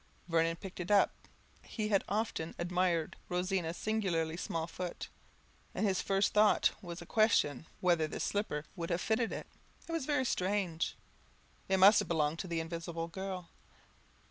Vernon picked it up; he had often admired Rosina's singularly small foot, and his first thought was a question whether this little slipper would have fitted it. It was very strange! it must belong to the Invisible Girl.